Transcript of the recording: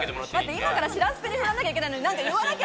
今から白洲君にふらなきゃいけないのに。